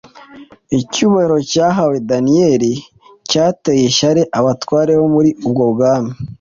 Icyubahiro cyahawe Daniyeli cyateye ishyari abatware bo muri ubwo bwami.